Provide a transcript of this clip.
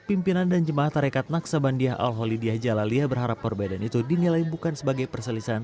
pimpinan dan jemaah tarekat naksabandia al holidiyah jalaliyah berharap perbedaan itu dinilai bukan sebagai perselisahan